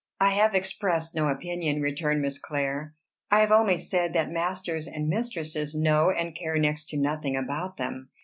"I have expressed no opinion," returned Miss Clare. "I have only said that masters and mistresses know and care next to nothing about them."